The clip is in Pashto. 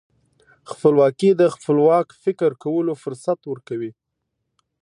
خپلواکي د خپلواک فکر کولو فرصت ورکوي.